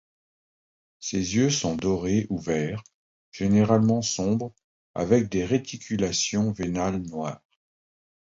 Ses yeux sont dorés ou verts, généralement sombres avec des réticulations vénales noires.